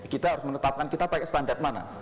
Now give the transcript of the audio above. kita harus menetapkan kita pakai standar mana